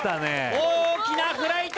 大きなフライト！